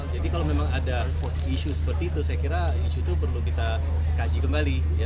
jadi kalau memang ada isu seperti itu saya kira isu itu perlu kita kaji kembali